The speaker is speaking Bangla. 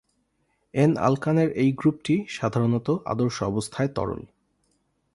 এন-আলকানের এই গ্রুপটি সাধারণত আদর্শ অবস্থায় তরল।